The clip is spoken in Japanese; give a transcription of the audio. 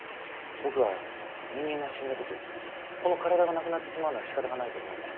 僕は人間が死んだ時この体がなくなってしまうのはしかたがないと思うんです。